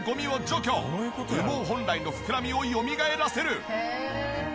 羽毛本来の膨らみをよみがえらせる。